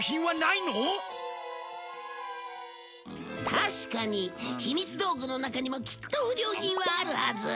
確かにひみつ道具の中にもきっと不良品はあるはず。